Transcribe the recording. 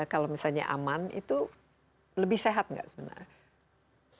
kalau misalnya aman itu lebih sehat nggak sebenarnya